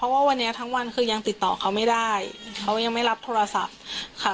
ว่าวันนี้ทั้งวันคือยังติดต่อเขาไม่ได้เขายังไม่รับโทรศัพท์ค่ะ